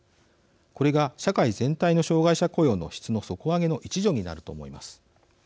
これが社会全体の障害者雇用の質の底上げの一助になると思います。